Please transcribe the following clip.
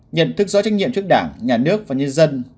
nhận thức rõ trách nhiệm trước đảng nhà nước và nhân dân